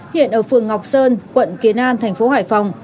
hiện ở phường ngọc sơn quận kiến an thành phố hải phòng